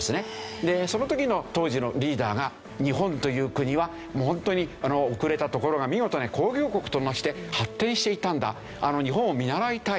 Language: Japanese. その時の当時のリーダーが日本という国は本当に遅れたところが見事に工業国となして発展していったんだ日本を見習いたい。